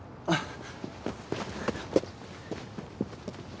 あっ！